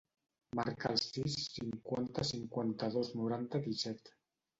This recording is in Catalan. Marca el sis, cinquanta, cinquanta-dos, noranta, disset.